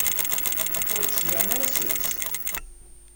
Ur d-cliɛen ara seg-s?